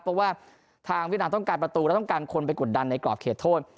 เพราะว่าทางเวียดนามต้องการประตูและต้องการคนไปกดดันในกรอบเขตโทษ